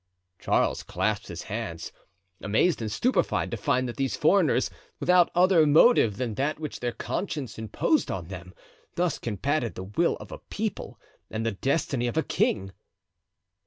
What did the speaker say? Charles clasped his hands, amazed and stupefied to find that these foreigners, without other motive than that which their conscience imposed on them, thus combated the will of a people and the destiny of a king.